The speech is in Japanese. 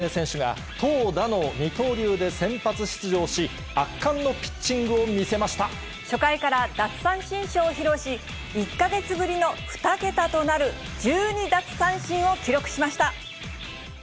エンゼルスの大谷翔平選手が、投打の二刀流で先発出場し、初回から奪三振ショーを披露し、１か月ぶりの２桁となる１２奪三振を記録しました。